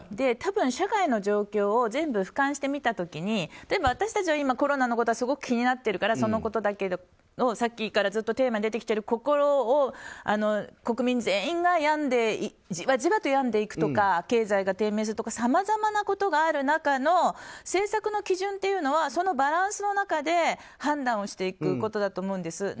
多分社会の状況を全部俯瞰して見た時に例えば私たちは今コロナのことがすごく気になってるからそのことだけをさっきからずっとテーマに出てきている心を国民全員がじわじわと病んでいくとか経済が低迷するとかさまざまなことがある中の政策の基準というのはそのバランスの中で判断をしていくことだと思うんです。